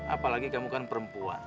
apalagi kamu kan perempuan